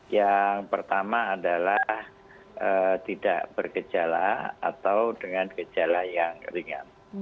yang pertama adalah tidak bergejala atau dengan gejala yang ringan